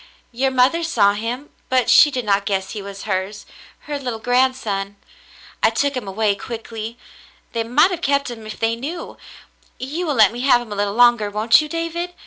Your mother saw him, but she did not guess he was hers — her little grandson. I took him away quickly. They might have kept him if they knew. You will let me have him a little longer, won't you, David